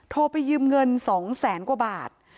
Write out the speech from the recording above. โทรไปยืมเงิน๒แสนกว่าบาท